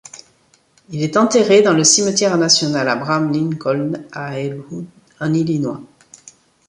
Il est enterré dans le cimetière national Abraham Lincoln à Ellwood en Illinois.